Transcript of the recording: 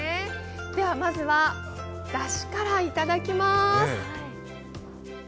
ではまず、だしからいただきまーす。